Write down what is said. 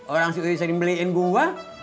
orang si uri sering beliin gue